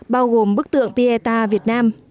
bao gồm bức tượng pieta việt nam